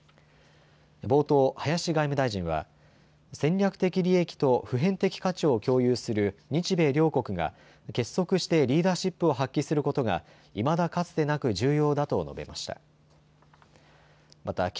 冒頭、林外務大臣は戦略的利益と普遍的価値を共有する日米両国が結束してリーダーシップを発揮することがいまだかつてなく重要だと述べました。